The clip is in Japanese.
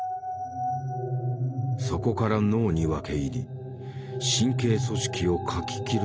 そこから脳に分け入り神経組織をかき切るのだ。